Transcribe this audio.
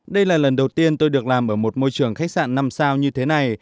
đây là lần đầu tiên tôi được làm ở một môi trường khách sạn năm sao như thế này